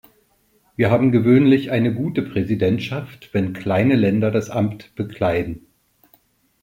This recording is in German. Wir haben gewöhnlich eine gute Präsidentschaft, wenn kleine Länder das Amt bekleiden.